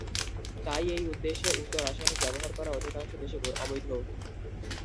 তাই এই উদ্দেশ্যে উক্ত রাসায়নিক ব্যবহার করা অধিকাংশ দেশে অবৈধ।